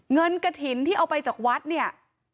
เงินกระถิ่นที่เอาไปจากวัดเนี่ย